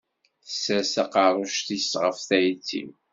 Tessers taqerruct-is ɣef tayet-iw.